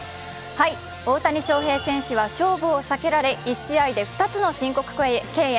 大谷翔平選手は勝負を避けられ、１試合で２つの申告敬遠。